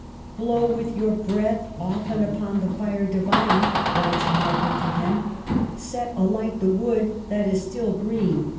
" Blow with your breath often upon the* fire divine," writes Mar garet to him; "set alight the wood that is still green."